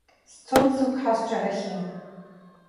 Сцон сықәҳа сҿарахьы.